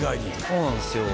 そうなんですよ。